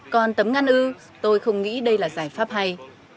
còn tấm ngăn ư tôi không nghĩ đây là giải pháp hay